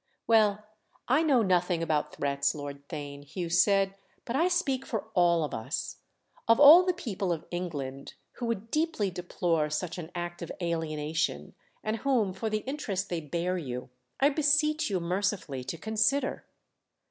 "Well, I know nothing about threats, Lord Theign," Hugh said, "but I speak of all of us—of all the people of England; who would deeply deplore such an act of alienation, and whom, for the interest they bear you, I beseech you mercifully to consider."